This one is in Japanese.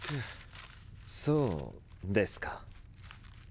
そうですか。